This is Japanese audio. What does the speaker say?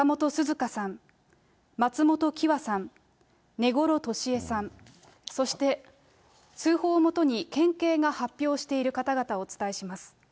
花さん、松本季和さん、根來敏江さん、そして通報を基に県警が発表している方々をお伝えします。